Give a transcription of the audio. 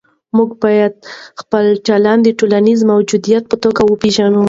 موږ باید خپل چلند د ټولنیز موجود په توګه وپېژنو.